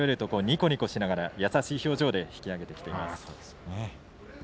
にこにこしながら優しい表情で引き揚げてきました。